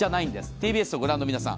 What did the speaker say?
ＴＢＳを御覧の皆さん。